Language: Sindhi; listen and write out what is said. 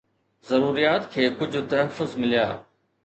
ضروريات کي ڪجهه تحفظ مليا